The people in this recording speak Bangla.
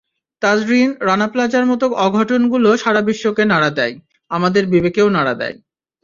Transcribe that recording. তাজরিন, রানাপ্লাজার মতো অঘটনগুলো সারা বিশ্বকে নাড়া দেয়, আমাদের বিবেকেও নাড়া দেয়।